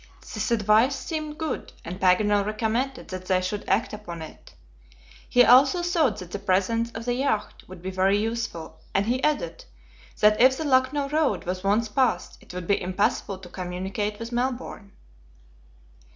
This advice seemed good, and Paganel recommended that they should act upon it. He also thought that the presence of the yacht would be very useful, and he added, that if the Lucknow road was once passed, it would be impossible to communicate with Melbourne.